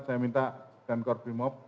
saya minta dan korpimob